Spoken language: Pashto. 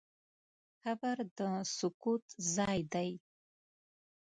قبر د سکوت ځای دی.